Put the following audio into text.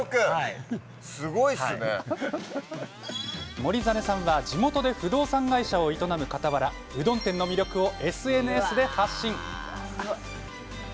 守實さんは地元で不動産会社を営むかたわらうどん店の魅力をＳＮＳで発信。